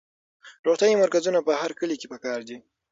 روغتیایي مرکزونه په هر کلي کې پکار دي.